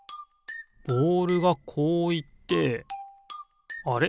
ボールがこういってあれ？